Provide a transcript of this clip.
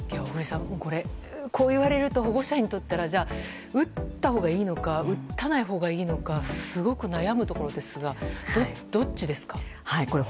小栗さん、こう言われると保護者にとったら打ったほうがいいのか打たないほうがいいのかすごく悩むところですがどっちですか？